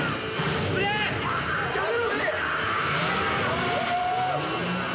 やめろ！